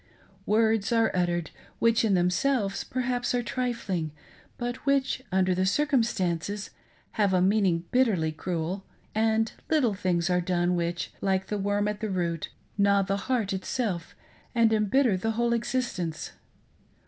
Words are uttered, which in themselves perhaps are trifling, but which, under the circumstances, have a meaning bitterly cruel ; and little things are done which, like the worm at the root, gnaw the heart itself and embitter the whole existence.